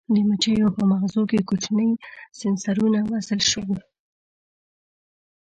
د مچیو په مغزو کې کوچني سېنسرونه وصل شول.